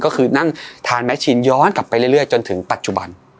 ก็คือนั่งทานแมชชินย้อนกลับไปเรื่อยจนถึงปัจจุบัน